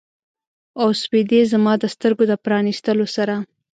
او سپیدې زما د سترګو د پرانیستلو سره